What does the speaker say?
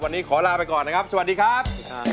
วันนี้ขอลาไปก่อนนะครับสวัสดีครับ